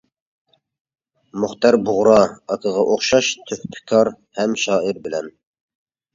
مۇختەر بۇغرا ئاكىغا ئوخشاش، تۆھپىكار ھەم شائىرى بىلەن.